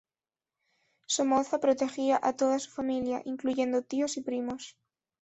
Somoza protegía a toda su familia, incluyendo tíos y primos.